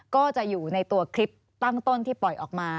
ก็จะอยู่ในตัวคลิปตั้งต้นที่ปล่อยออกมา